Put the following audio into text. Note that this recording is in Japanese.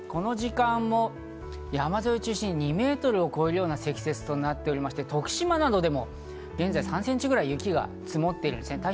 この時間も山沿いを中心に２メートルを超えるような積雪となっていまして、徳島などでも現在３センチほど雪が積もっています。